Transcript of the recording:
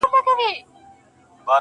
خو له تربوره څخه پور، په سړي خوله لگوي~